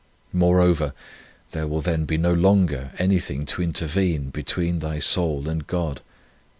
Moreover, there will then be no longer anything to intervene between thy soul and God.